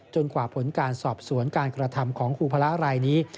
กว่าผลการสอบสวนการกระทำของครูพระรายนี้